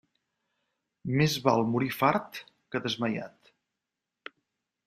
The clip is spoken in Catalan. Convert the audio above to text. Més val morir fart que desmaiat.